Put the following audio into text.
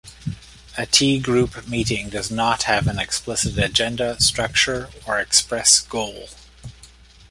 A T-group meeting does not have an explicit agenda, structure, or express goal.